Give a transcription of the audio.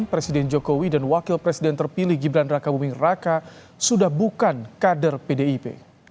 presiden jokowi dan wakil presiden terpilih gibran raka buming raka sudah bukan kader pdip